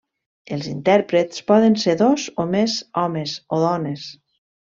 Els intèrprets poden ser dos o més homes o dones.